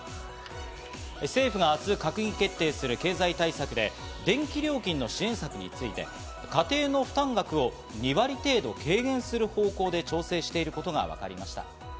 政府が明日、閣議決定する経済対策で電気料金の支援策について、家庭の負担額を２割程度軽減する方向で調整していることがわかりました。